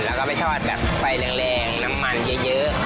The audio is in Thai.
แล้วก็ไปทอดแบบไฟแรงน้ำมันเยอะ